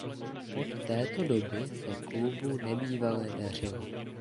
Od této doby se klubu nebývale dařilo.